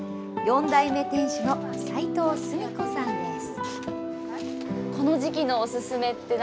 ４代目店主の斉藤寿美子さんです。